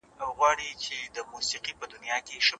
پښتو ژبه زموږ د ملي تاریخ او افتخار یو لوی باب دی